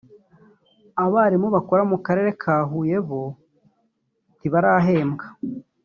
abarimu bakorera mu Karere ka Huye bo ntibarahembwa